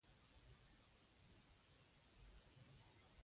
حملو په هند کې وضع ناکراره کړې ده.